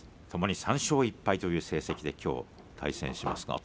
ともに３勝１敗という成績できょう対戦します。